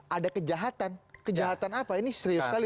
ada kejahatan kejahatan apa ini serius sekali tuduhan anda loh mas